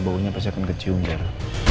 baunya pasti akan kecium biar